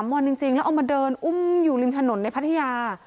วันจริงแล้วเอามาเดินอุ้มอยู่ริมถนนในพัทยา